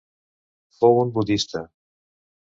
Fou un budista.